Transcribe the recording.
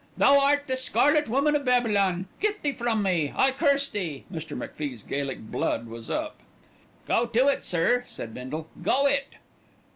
Thou art the scarlet woman of Babylon! Get thee from me, I curse thee!" Mr. MacFie's Gaelic blood was up. "Go it, sir!" said Bindle. "Go it!"